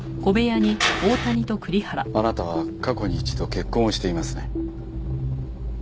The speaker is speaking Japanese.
あなたは過去に一度結婚をしていますね？